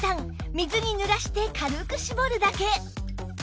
水にぬらして軽く絞るだけ